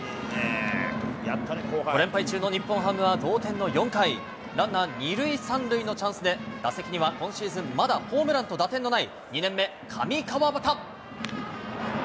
５連敗中の日本ハムは同点の４回、ランナー２塁３塁のチャンスで、打席には今シーズンまだホームランと打点のない２年目、上川畑。